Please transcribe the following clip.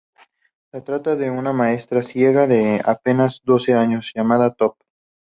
Se trata de una maestra ciega de apenas doce años, llamada Toph.